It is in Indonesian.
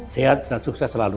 sehat dan sukses selalu